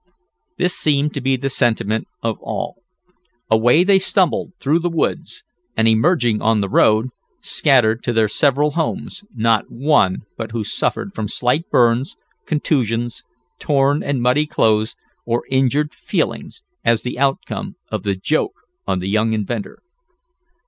This seemed to be the sentiment of all. Away they stumbled through the woods, and, emerging on the road, scattered to their several homes, not one but who suffered from slight burns, contusions, torn and muddy clothes or injured feelings as the outcome of the "joke" on the young inventor.